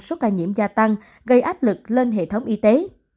số ca nhiễm gia tăng gây áp lực lên hệ thống y tế